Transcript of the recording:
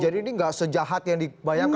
jadi ini nggak sejahat yang dibayangkan